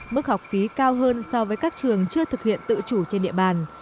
mức học phí cao hơn so với các trường chưa thực hiện tự chủ trên địa bàn